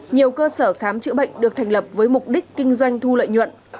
nhiều cơ sở khám chữa bệnh được thành lập với mục đích kinh doanh thu lợi nhuận